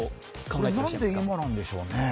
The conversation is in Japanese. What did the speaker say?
これ、なんで今なんでしょうね。